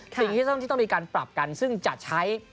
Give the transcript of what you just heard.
สิ่งที่ต้องมีการปรับกันซึ่งจะใช้